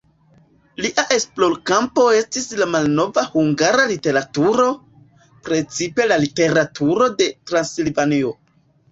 Lia esplorkampo estis la malnova hungara literaturo, precipe la literaturo de Transilvanujo.